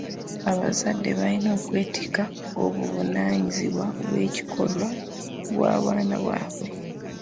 Abazadde balina okwetikka obuvunaanyizibwa bw'ebikolwa by'abaana baabwe.